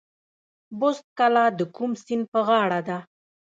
بست کلا د کوم سیند په غاړه ده؟